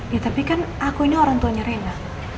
ya tapi kan aku ini orang tuanya rena